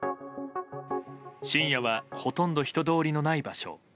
深夜はほとんど人通りのない場所。